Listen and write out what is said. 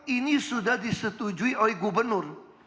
ini sudah disetujui oleh gubernur